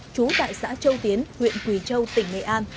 trú tại xã châu tiến huyện quỳ châu tỉnh nghệ an